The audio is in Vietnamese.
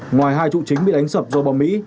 ngoài hai trụ chính bị đánh sập do bom mỹ